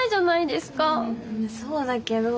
そうだけど。